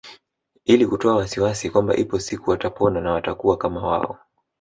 Ili kutoa wasiwasi kwamba ipo siku watapona na watakuwa kama wao